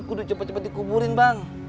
udah cepet cepet dikuburin bang